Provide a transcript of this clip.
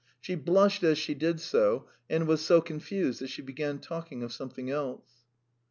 She blushed as she did so, and was so confused that she began talking of something else.